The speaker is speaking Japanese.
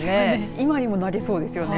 今にも投げそうですよね。